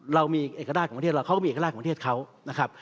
เรามีเอกราชของประเทศเราเขาก็มีเอกราชของประเทศเขานะครับ